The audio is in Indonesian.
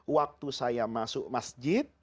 waktu saya masuk masjid